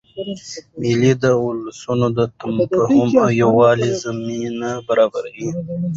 مېلې اد ولسونو د تفاهم او یووالي زمینه برابروي.